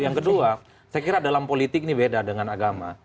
yang kedua saya kira dalam politik ini beda dengan agama